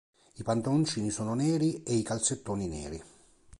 I pantaloncini sono neri e i calzettoni neri.